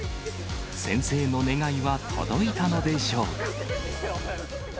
先生の願いは届いたのでしょうか。